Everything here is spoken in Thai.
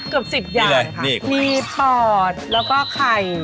เกือบ๑๐อย่างค่ะนี่เลยนี่มีปอดแล้วก็ไข่